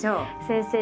先生